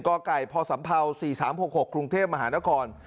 ก่อไก่พอสัมเภาสี่สามหกหกครุงเทพมหานคร